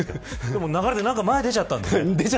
でも、流れで前に出ちゃったんです。